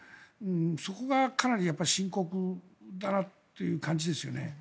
そこが、かなり深刻だなという感じですね。